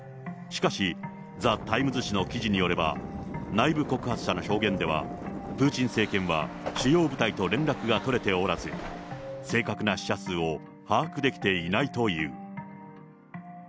しかし、ザ・タイムズ紙の記事によれば、内部告発者の証言では、プーチン政権は主要部隊と連絡が取れておらず、正確な死者数を把握できていないという。